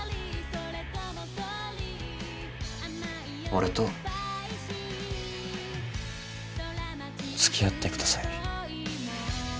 俺と付き合ってください。